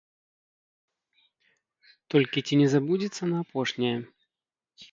Толькі ці не забудзецца на апошняе?